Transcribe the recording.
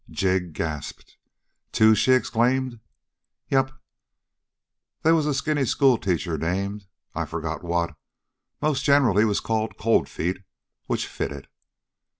Jig gasped. "Two!" she exclaimed. "Yep. They was a skinny schoolteacher named I forget what. Most general he was called Cold Feet, which fitted.